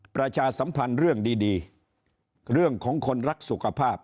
ประชาสัมพันธ์เรื่องดีเรื่องของคนรักสุขภาพ